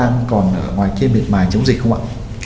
đang còn ở ngoài kia biệt mài chống dịch không ạ